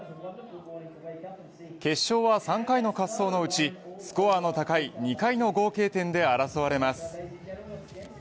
決勝は３回の滑走のうちスコアの高い２回の合計点で争われます。